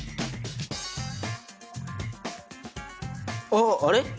あっあれ？